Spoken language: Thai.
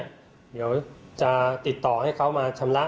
เดี๋ยวจะติดต่อให้เขามาชำระ